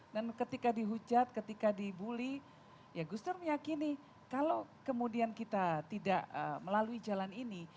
dan ketika dihujat ketika di bully ya gus dur meyakini kalau kemudian kita tidak melalui jalan ini